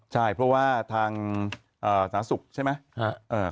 ใช่เพราะว่าทางหน้าศุกร์ใช่ไหม